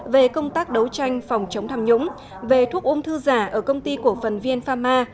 về công tác đấu tranh phòng chống tham nhũng về thuốc ôm thư giả ở công ty của phần vien pharma